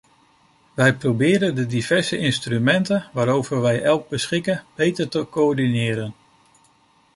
Wij proberen de diverse instrumenten waarover wij elk beschikken beter te coördineren.